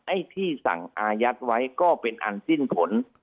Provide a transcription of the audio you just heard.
ไอ้ที่สั่งอายัดไว้ก็เป็นอันสิ้นผล